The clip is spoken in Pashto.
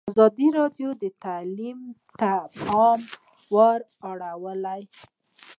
ازادي راډیو د تعلیم ته پام اړولی.